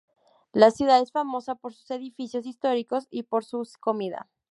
La ciudad es famosa por sus edificios históricos y por su comida.